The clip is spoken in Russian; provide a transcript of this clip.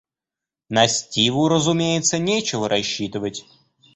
На Стиву, разумеется, нечего рассчитывать.